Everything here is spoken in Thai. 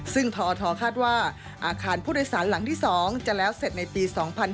ซึ่งทอทคาดว่าอาคารผู้โดยสารหลังที่๒จะแล้วเสร็จในปี๒๕๕๙